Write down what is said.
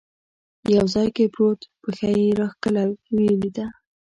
یو ځای کې پرېوت، پښه یې راکښله، یې ولیده.